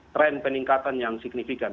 tren peningkatan yang signifikan